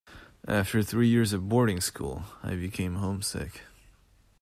After three years at boarding school I became homesick.